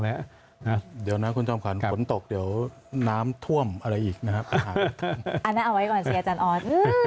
อาจารย์เอาไว้ก่อนสิอาจารย์ออด